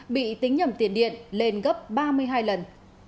bị tính nhầm tiền điện lên gấp ba mươi hai lần